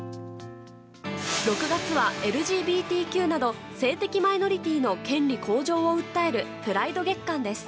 ６月はＬＧＢＴＱなど性的マイノリティーの権利向上を訴えるプライド月間です。